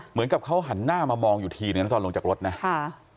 เหมือนกับเขาหันหน้ามามองอยู่ทีนึงนะตอนลงจากรถนะค่ะ